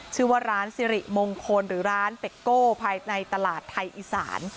ชื่อว่าร้านสิริมงคลหรือร้านเป็กโก้ภายในตลาดไทยอีสาน